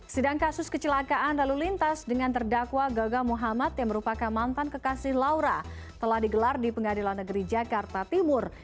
sidang kasus kecelakaan lalu lintas dengan terdakwa gaga muhammad yang merupakan mantan kekasih laura telah digelar di pengadilan negeri jakarta timur